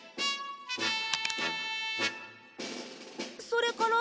それから？